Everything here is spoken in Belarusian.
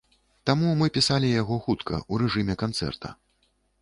Таму мы пісалі яго хутка, у рэжыме канцэрта.